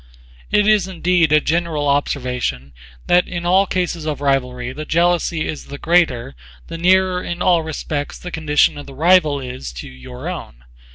It is indeed a general observation that in all cases of rivalry the jealousy is the greater the nearer in all respects the condition of the rival is to your own.